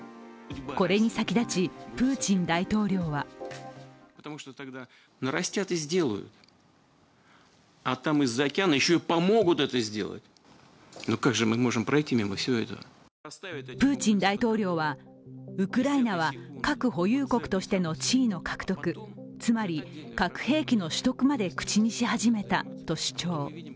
これに先立ち、プーチン大統領はプーチン大統領はウクライナは核保有国としての地位の獲得、つまり核兵器の取得まで口にし始めたと主張。